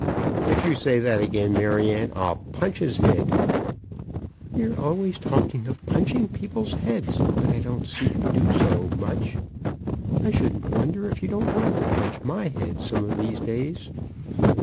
"If you say that again, Maryanne, I'll punch his head." "You're always talking of punching people's heads; but I don't see you do so much. I shouldn't wonder if you don't want to punch my head some of these days."